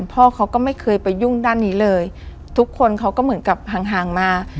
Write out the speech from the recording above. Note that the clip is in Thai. พ่อเขาก็ไม่เคยไปยุ่งด้านนี้เลยทุกคนเขาก็เหมือนกับห่างห่างมา